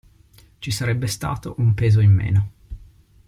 Ci sarebbe stato un peso in meno.